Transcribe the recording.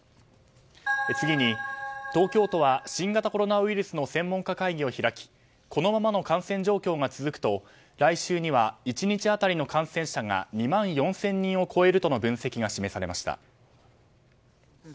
次に、東京都は新型コロナウイルスの専門家会議を開きこのままの感染状況が続くと来週には１日当たりの感染者が２万４０００人を超えるとの分析が示されました。